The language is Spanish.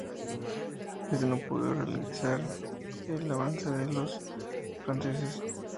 Este no pudo ralentizar el avance de los franceses.